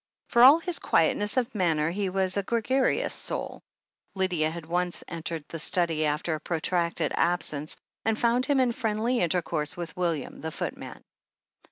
For all his quietness of manner, he was a gregarious soul. Lydia had once entered the study, after a protracted absence, and found him in friendly intercourse with William, the footman.